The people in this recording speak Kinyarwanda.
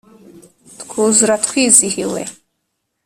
twuzura twizihiwe